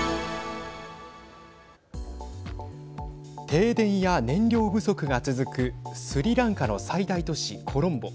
停電や燃料不足が続くスリランカの最大都市コロンボ。